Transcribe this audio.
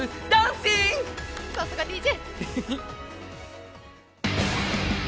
さすがＤＪ！